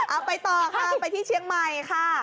เอาไปต่อค่ะไปที่เชียงใหม่ค่ะ